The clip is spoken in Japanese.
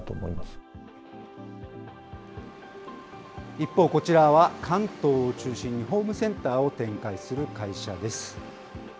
一方、こちらは関東を中心にホームセンターを展開する会社です。